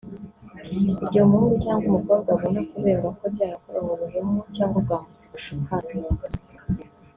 Igihe umuhungu cyangwa umukobwa abona kubengwa kwe byarakoranwe ubuhemu cyangwa ubwambuzi bushukana